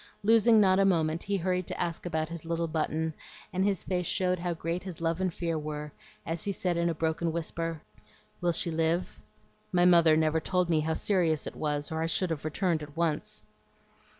Losing not a moment, he hurried to ask about his little Button, and his face showed how great his love and fear were, as he said in a broken whisper, "Will she live? My mother never told me how serious it was, or I should have returned at once."